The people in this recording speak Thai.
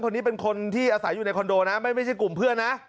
คนนี้เป็นคนที่อาศัยอยู่ในคอนโดนะไม่ใช่กลุ่มเพื่อนนะ